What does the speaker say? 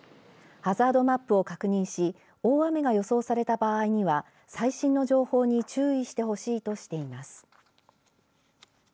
ハザードマップを確認し大雨が予想された場合には最新の情報に注意してほしいとしています。